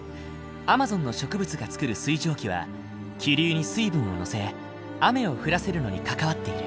アマゾンの植物が作る水蒸気は気流に水分を乗せ雨を降らせるのに関わっている。